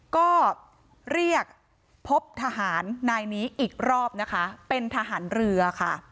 ก็เรียกพบทหารนายนี้อีกรอบนะคะเป็นทหารเรือค่ะ